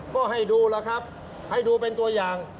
ก็ให้ดูแล้วครับให้ดูเป็นตัวอย่าง